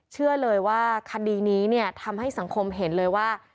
เชื่อเลยว่าคดีนี้เนี่ยทำให้สังคมเห็นเลยว่า